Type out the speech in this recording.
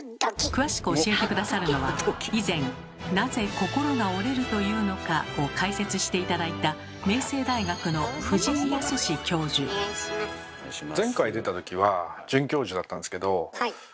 詳しく教えて下さるのは以前「なぜ心が折れると言うのか」を解説して頂いたやった！